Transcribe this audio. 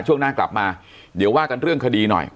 ช่วงหน้ากลับมาเดี๋ยวว่ากันเรื่องคดีหน่อย